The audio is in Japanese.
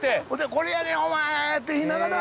「これやねんお前」って言いながら